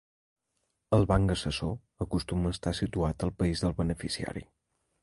El banc assessor acostuma a estar situat al país del beneficiari.